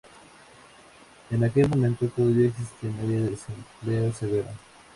En aquel momento todavía existían áreas de desempleo severo.